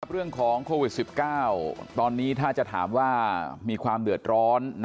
เรื่องของโควิด๑๙ตอนนี้ถ้าจะถามว่ามีความเดือดร้อน